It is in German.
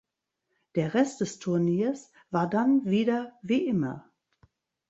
Der Rest des Turniers war dann wieder wie immer.